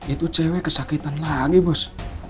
itu cewek kesakitan lagi bos